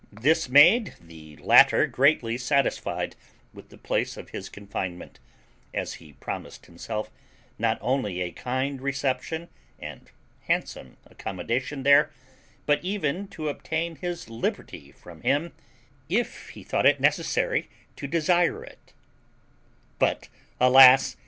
This made the latter greatly satisfied with the place of his confinement, as he promised himself not only a kind reception and handsome accommodation there, but even to obtain his liberty from him if he thought it necessary to desire it: but, alas!